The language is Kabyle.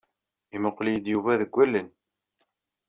Imuqqel-iyi-d Yuba deg wallen.